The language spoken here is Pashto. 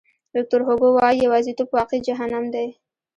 ویکتور هوګو وایي یوازیتوب واقعي جهنم دی.